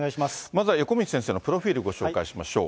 まずは横道先生のプロフィール、ご紹介しましょう。